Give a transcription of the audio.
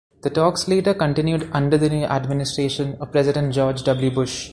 The talks later continued under the new administration of President George W. Bush.